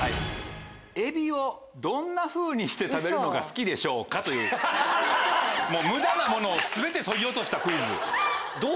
「エビをどんな風にして食べるのが好きでしょうか？」というムダなものを全てそぎ落としたクイズ。